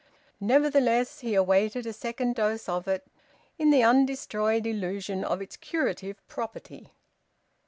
Nevertheless, he awaited a second dose of it in the undestroyed illusion of its curative property.